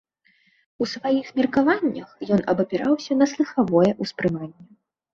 У сваіх меркаваннях ён абапіраўся на слыхавое ўспрыманне.